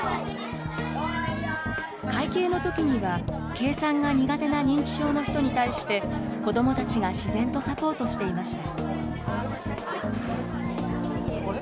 計算が苦手な認知症の人に対して、子どもたちが自然とサポートしていました。